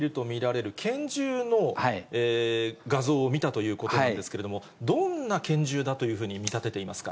櫻井さんは各メディアなどの映像を確認して、男の持っていると見られる拳銃の画像を見たということなんですけれども、どんな拳銃だというふうに見立てていますか。